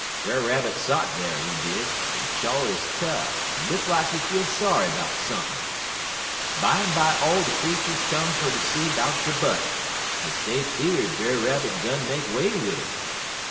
"Brer Rabbit sot dar, he did, en chaw he cud, en look lak he feel sorry 'bout sump'n'. Bimeby all de creeturs come fer ter see 'bout dey butter, 'kaze dey fear'd Brer Rabbit done make way wid it.